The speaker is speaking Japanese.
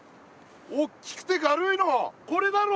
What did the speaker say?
おっきくて軽いのこれだろ。